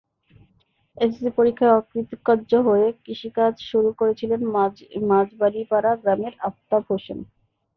SSC পরীক্ষায় অকৃতকার্য হয়ে কৃষিকাজ শুরু করেছিলেন মাঝবাড়ীপাড়া গ্রামের আফতাব হোসেন।